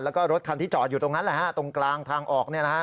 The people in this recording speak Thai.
แล้วก็รถคันที่จอดอยู่ตรงนั้นแหละฮะตรงกลางทางออก